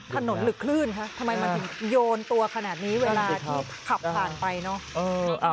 หรือคลื่นคะทำไมมันถึงโยนตัวขนาดนี้เวลาที่ขับผ่านไปเนอะ